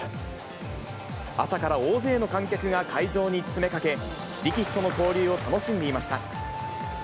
朝から大勢の観客が会場に詰めかけ、力士との交流を楽しんでいました。